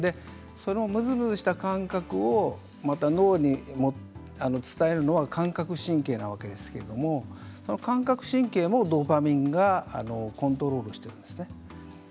そのムズムズした感覚をまた脳に伝えるのは感覚神経なわけですけどその感覚神経をドーパミンがコントロールしています。